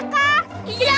iya kak timun mas